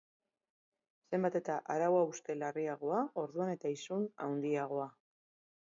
Zenbat eta arau-hauste larriagoa, orduan eta isun handiagoa.